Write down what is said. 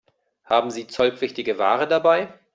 Haben Sie zollpflichtige Ware dabei?